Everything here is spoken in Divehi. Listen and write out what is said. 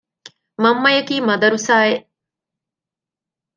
މަންމަޔަކީ މަދަރުސާއެއް